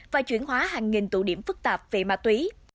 và chuyển hóa hàng nghìn tụ điểm phức tạp về ma túy